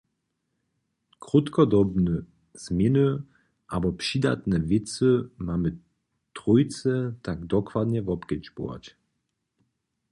Krótkodobne změny abo přidatne wěcy mamy trójce tak dokładnje wobkedźbować.